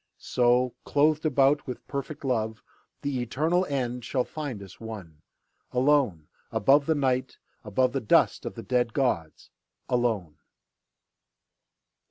So, clothed about with perfect love, The eternal end shall find us one, Alone above the Night, above The dust of the dead gods, alone.